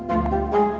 airin menemukan air